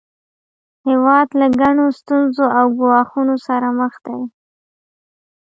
هیواد له ګڼو ستونزو او ګواښونو سره مخ دی